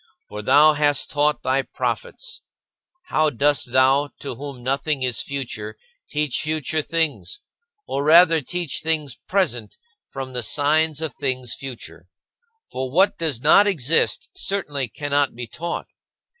For thou hast taught thy prophets. How dost thou, to whom nothing is future, teach future things or rather teach things present from the signs of things future? For what does not exist certainly cannot be taught.